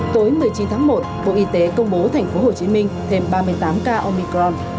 tối một mươi chín tháng một bộ y tế công bố thành phố hồ chí minh thêm ba mươi tám ca omicron